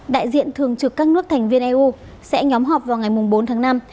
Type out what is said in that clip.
đại diện thường trực các nước thành viên eu sẽ nhóm họp vào ngày bốn tháng năm